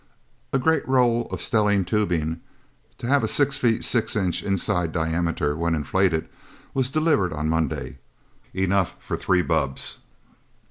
A great roll of stellene tubing, to have a six feet six inch inside diameter when inflated, was delivered on Monday. Enough for three bubbs.